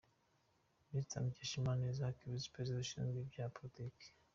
Mr. Mukeshimana Isaac, Visi-Perezida ushinzwe ibya Politiki;